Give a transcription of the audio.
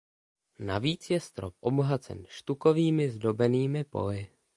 Navíc je strop obohacen štukovými zdobenými poli.